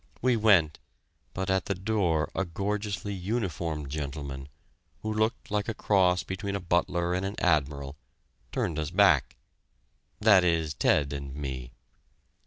We went, but at the door a gorgeously uniformed gentleman, who looked like a cross between a butler and an admiral, turned us back that is, Ted and me.